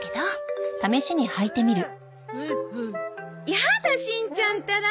やだしんちゃんったら！